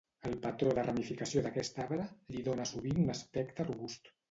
El patró de ramificació d'aquest arbre li dóna sovint un aspecte robust.